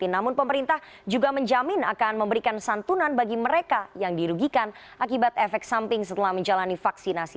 namun pemerintah juga menjamin akan memberikan santunan bagi mereka yang dirugikan akibat efek samping setelah menjalani vaksinasi